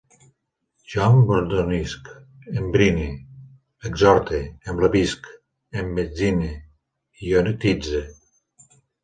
Jo embordonisc, embrine, exhorte, emblavisc, emmetzine, iotitze